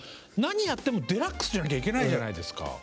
何やってもデラックスじゃなきゃいけないじゃないですか。